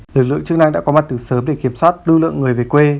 lực lượng chức năng đã có mặt từ sớm để kiểm soát lưu lượng người về quê